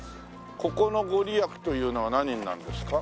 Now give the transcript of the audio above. ここのご利益というのは何になるんですか？